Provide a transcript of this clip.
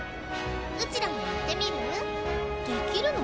ウチらもやってみる？できるの？